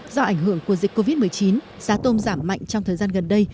do ảnh hưởng của dịch covid một mươi chín giá tôm giảm mạnh trong thời gian gần đây